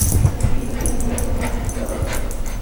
Allí, se terminó de formar como jugador.